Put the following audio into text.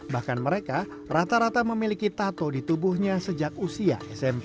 bahkan mereka rata rata memiliki tato di tubuhnya sejak usia smp